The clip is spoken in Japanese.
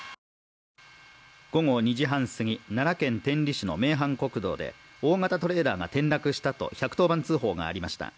午後２時半すぎ、奈良県天理市の名阪国道で大型トレーラーが転落したと１１０番通報がありました。